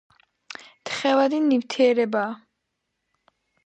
თხევადი ნივთიერებაააააააა